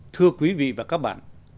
thưa quý vị và các bạn